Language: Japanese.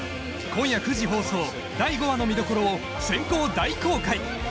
今夜９時放送第５話の見どころを先行大公開！